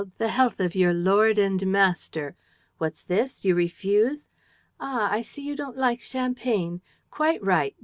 The health of your lord and master! What's this? You refuse? ... Ah, I see, you don't like champagne! Quite right!